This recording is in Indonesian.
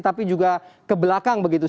tapi juga ke belakang begitu